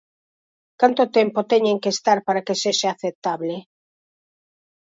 ¿Canto tempo teñen que estar para que sexa aceptable?